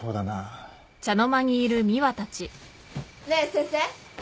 ねえ先生。